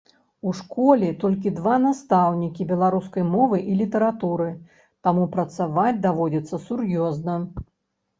У школе толькі два настаўнікі беларускай мовы і літаратуры, таму працаваць даводзіцца сур'ёзна.